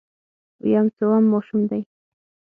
ويم څووم ماشوم دی.